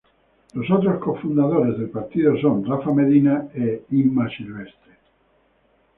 Los otros cofundadores del partido son Rafa Medina e Inma Silvestre.